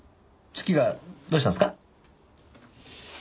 月がどうしたんですか？